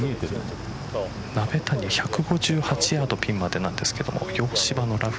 鍋谷、１５８ヤードピンまでなんですが洋芝のラフ。